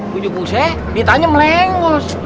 wujud puse ditanya melenggus